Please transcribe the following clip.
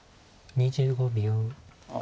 ２５秒。